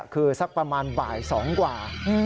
คือสักประมาณบ่าย๒กว่า